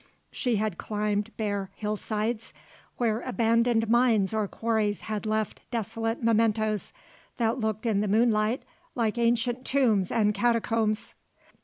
She had climbed bare hill sides where abandoned mines or quarries had left desolate mementoes that looked in the moonlight like ancient tombs and catacombs.